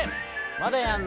「まだやんの？」。